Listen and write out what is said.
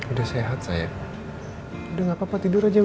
udah sehat saya udah gak apa apa tidur aja